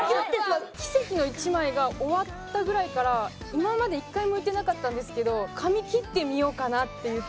奇跡の１枚が終わったぐらいから今まで一回も言ってなかったんですけど「髪切ってみようかな」って言ってて。